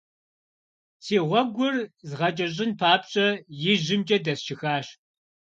Си гъуэгур згъэкӏэщӏын папщӏэ, ижьымкӏэ дэсчыхащ.